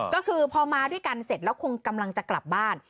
ก็คือพอมาด้วยกันเสร็จแล้วคงกำลังจะกลับบ้าน